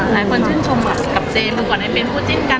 หายคนชื่นชมค่ะกับเจก่อนก่อนเป็นผู้จิ้นกัน